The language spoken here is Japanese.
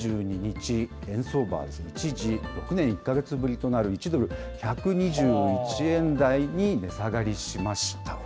２２日、円相場は一時、６年１か月ぶりとなる、１ドル１２１円台に値下がりしました。